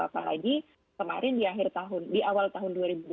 apalagi di awal tahun dua ribu dua puluh